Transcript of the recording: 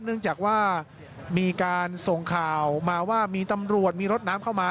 เนื่องจากว่ามีการส่งข่าวมาว่ามีตำรวจมีรถน้ำเข้ามา